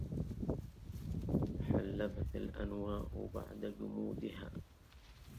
تحلبت الأنواء بعد جمودها